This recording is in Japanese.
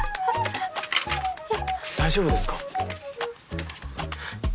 大丈夫ですか？